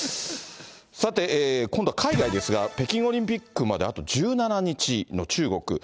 さて、今度は海外ですが、北京オリンピックまで、あと１７日の中国。